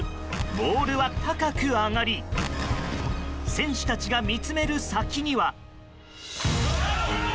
ボールは高く上がり選手たちが見つめる先には。